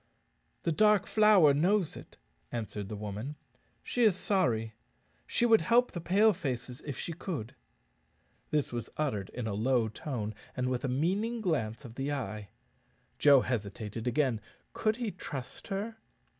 "The Dark Flower knows it," answered the woman; "she is sorry. She would help the Pale faces if she could." This was uttered in a low tone, and with a meaning glance of the eye. Joe hesitated again could he trust her?